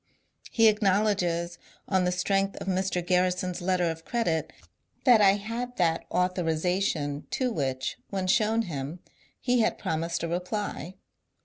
He acknowledges, on the strength of Mr. Grarrison's letter of credit, that I had that authorization to which, when shown him, he had promised a reply.